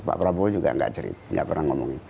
pak prabowo juga nggak cerita nggak pernah ngomong itu